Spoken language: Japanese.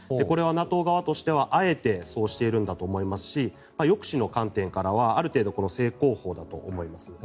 これはＮＡＴＯ側としてはあえてそうしているんだと思いますし抑止の観点からはある程度正攻法だと思います。